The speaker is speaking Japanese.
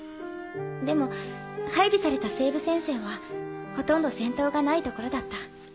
でも配備された西部戦線はほとんど戦闘がない所だった。